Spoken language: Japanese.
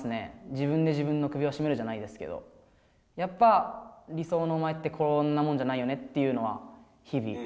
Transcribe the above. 自分で自分の首を絞めるじゃないですけど。やっぱ理想のお前ってこんなもんじゃないよねというのは、日々。